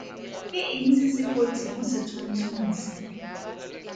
Ke eng se se kotsi mo setshwantshong se?